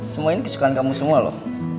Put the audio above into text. semua ini kesukaan kamu semua loh